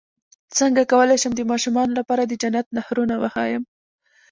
څنګه کولی شم د ماشومانو لپاره د جنت نهرونه وښایم